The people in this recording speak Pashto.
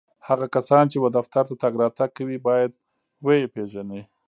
هغه کسان چي و دفتر ته تګ راتګ کوي ، باید و یې پېژني